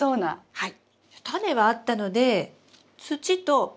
はい。